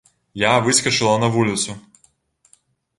Я выскачыла на вуліцу.